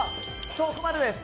そこまでです。